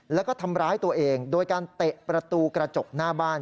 แล้วก็ทำร้ายตัวเองโดยการเตะประตูกระจกหน้าบ้าน